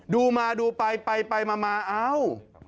ดูมาดูไปไปมาเอ้า